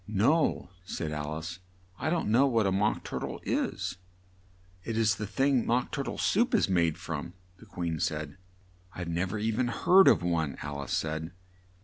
"No," said Al ice, "I don't know what a Mock tur tle is." "It is a thing Mock Tur tle Soup is made from," the Queen said. "I've nev er seen or heard of one," Alice said.